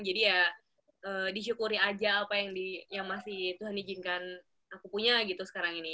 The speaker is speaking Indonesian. ya disyukuri aja apa yang masih tuhan izinkan aku punya gitu sekarang ini